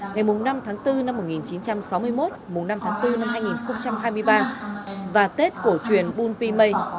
ngày năm tháng bốn năm một nghìn chín trăm sáu mươi một năm tháng bốn năm hai nghìn hai mươi ba và tết cổ truyền bun pi mây